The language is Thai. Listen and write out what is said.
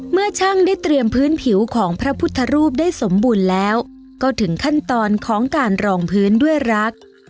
เมื่อช่างได้เตรียมพื้นผิวของพระพุทธรูปได้สมบูรณ์แล้วก็ถึงขั้นตอนของการรองพื้นด้วยรัก